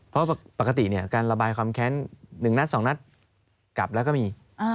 เพราะปกติการระบายความแค้น๑นัด๒นัดกลับแล้วก็มี